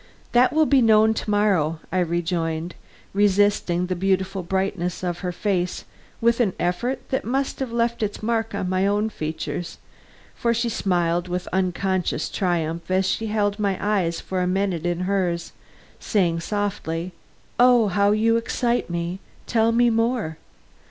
"That will be known to morrow," I rejoined, resisting the beautiful brightness of her face with an effort that must have left its mark on my own features; for she smiled with unconscious triumph as she held my eyes for a minute in hers saying softly, "O how you excite me! Tell me more.